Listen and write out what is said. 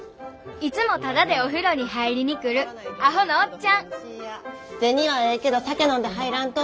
いつもタダでお風呂に入りに来るアホのおっちゃん銭はええけど酒飲んで入らんとって。